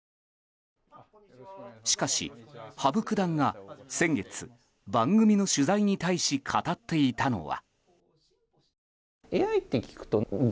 しかし羽生九段が先月番組の取材に対し語っていたのは。